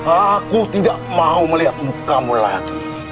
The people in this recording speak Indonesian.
aku tidak mau melihat mukamu lagi